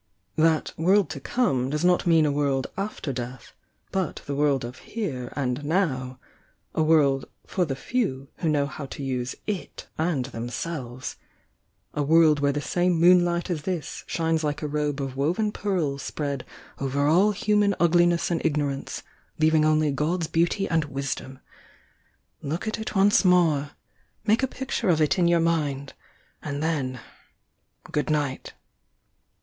That 'world to come' does not mean a world after death— but the world of here and now — a world 'for the few' who know how to use it, and themselves! — a world where the same moon light as this shines like a robe of woven pearl spread over all human ugliness and ignorance, leaving only God's beauty and wisdom! Look at it once more! — make a picture of it in your mind! — and then — good night!"